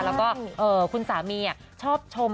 แล้วก็คุณสามีชอบชม